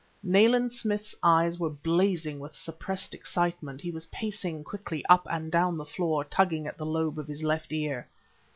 Nayland Smith's eyes were blazing with suppressed excitement; he was pacing quickly up and down the floor, tugging at the lobe of his left ear.